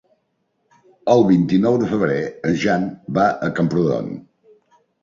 El vint-i-nou de febrer en Jan va a Camprodon.